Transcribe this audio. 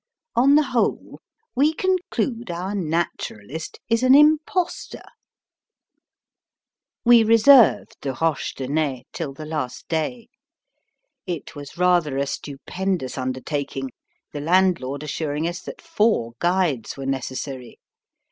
On the whole, we conclude our Naturalist is an impostor. We reserved the Roches de Naye till the last day. It was rather a stupendous undertaking, the landlord assuring us that four guides were necessary.